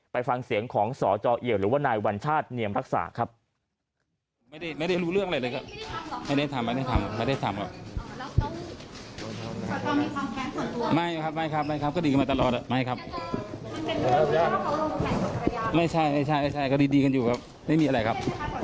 ไปฟังเสียงของสจเอียวหรือว่านายวัญชาติเนียมรักษาครับ